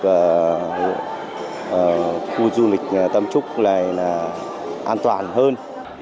và khu du lịch tam trúc này là an toàn hơn